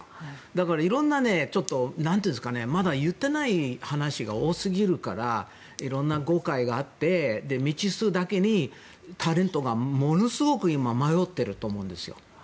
だから、まだ言っていない話が多すぎるからいろいろな誤解があって未知数だけにタレントがものすごく迷ってると思うんですよ。